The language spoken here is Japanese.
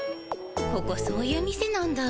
ここそういう店なんだ。